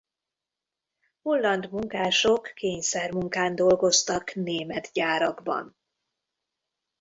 Holland munkások kényszermunkán dolgoztak német gyárakban.